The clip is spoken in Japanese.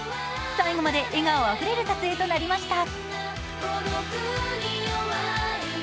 最後まで笑顔あふれる撮影となりました。